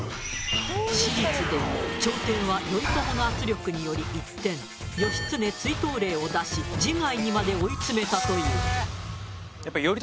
史実でも朝廷は頼朝の圧力により一転義経追討令を出し自害にまで追い詰めたという。